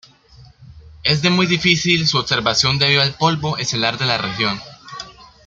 Es de muy difícil su observación debido al polvo estelar de la región.